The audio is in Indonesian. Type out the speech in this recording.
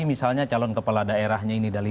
misalnya calon kepala daerahnya ini dari